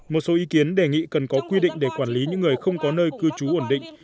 một số ý kiến đề nghị cần có quy định để quản lý những người không có nơi cư trú ổn định